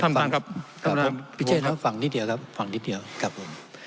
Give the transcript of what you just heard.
ท่านประธานครับครับผมไม่ใช่นะฟังนิดเดียวครับฟังนิดเดียวครับผม